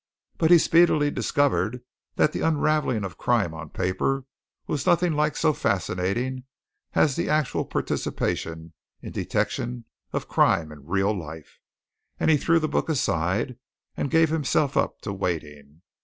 But he speedily discovered that the unravelling of crime on paper was nothing like so fascinating as the actual participation in detection of crime in real life, and he threw the book aside and gave himself up to waiting.